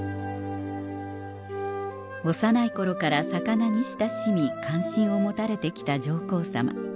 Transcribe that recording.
幼い頃から魚に親しみ関心を持たれて来た上皇さま